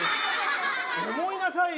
思いなさいよ